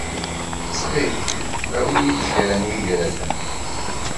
Ttxil-k, awi-iyi-d kra n yigraten.